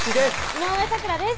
井上咲楽です